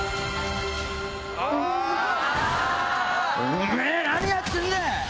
おめぇ何やってんだ！